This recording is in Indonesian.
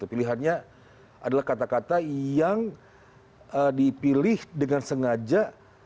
pilihannya adalah kata kata yang dipilih dengan sengaja